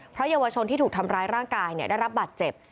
เพราะเยาวชนที่ถูกทำร้ายร่างกายได้รับบาดเจ็บ